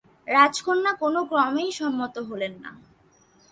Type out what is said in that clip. রাজকন্যা কোন ক্রমেই সম্মত হইলেন না।